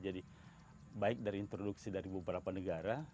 jadi baik dari introduksi dari beberapa negara